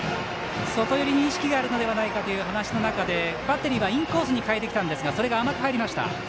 外寄りに意識があるのではないかという話の中でバッテリーはインコースに変えてきたんですがそれが甘く入りました。